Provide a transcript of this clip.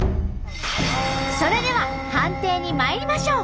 それでは判定にまいりましょう！